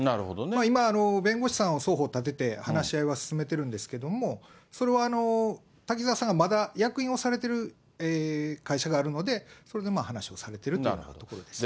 今、弁護士さんを双方立てて、話し合いは進めているんですけども、それは、滝沢さんがまだ役員をされてる会社があるので、それで話をされているということです。